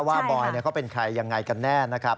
บอยเขาเป็นใครยังไงกันแน่นะครับ